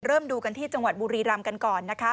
ดูกันที่จังหวัดบุรีรำกันก่อนนะคะ